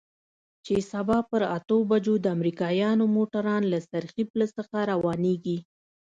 چې سبا پر اتو بجو د امريکايانو موټران له څرخي پله څخه روانېږي.